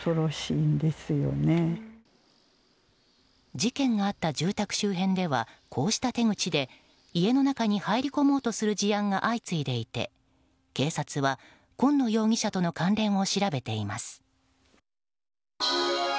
事件があった住宅周辺ではこうした手口で家の中に入り込もうとする事案が相次いでいて警察は、今野容疑者との関連を調べています。